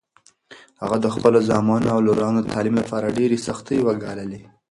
هغه د خپلو زامنو او لورانو د تعلیم لپاره ډېرې سختۍ وګاللې.